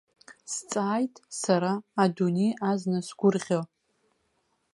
Сҵааит сара адунеи азна сгәырӷьо.